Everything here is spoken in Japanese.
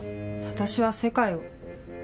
私は世界を。